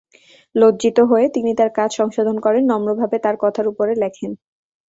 লজ্জিত হয়ে, তিনি তার কাজ সংশোধন করেন, নম্রভাবে তার কথার উপরে লেখেন।